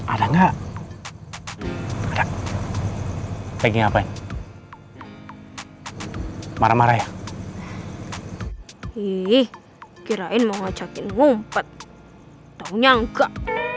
ada nggak ada lagi ngapain marah marah ya ih kirain mau ngajakin ngumpet taunya enggak